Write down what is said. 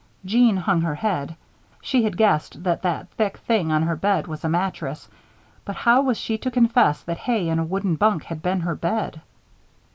Jeanne hung her head. She had guessed that that thick thing on her bed was a mattress, but how was she to confess that hay in a wooden bunk had been her bed!